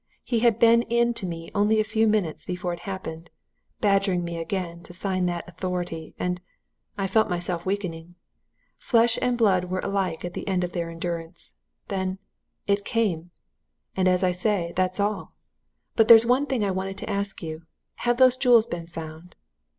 He had been in to me only a few minutes before it happened, badgering me again to sign that authority. And I felt myself weakening. Flesh and blood were alike at their end of endurance. Then it came! And as I say, that's all! but there's one thing I wanted to ask you. Have those jewels been found?"